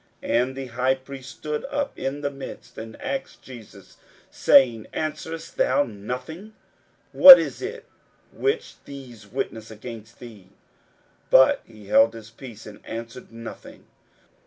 41:014:060 And the high priest stood up in the midst, and asked Jesus, saying, Answerest thou nothing? what is it which these witness against thee? 41:014:061 But he held his peace, and answered nothing.